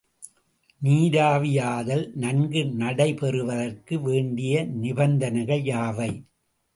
நீராவியாதல் நன்கு நடைபெறுவதற்கு வேண்டிய நிபந்தனைகள் யாவை?